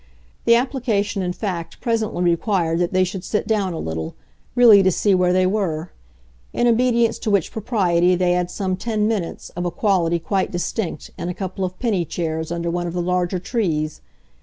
The application in fact presently required that they should sit down a little, really to see where they were; in obedience to which propriety they had some ten minutes, of a quality quite distinct, in a couple of penny chairs under one of the larger trees.